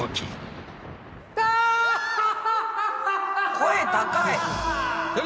声高い！